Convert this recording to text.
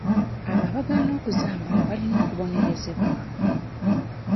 Abo abaagaana okuzambala balina okubonerezebwa.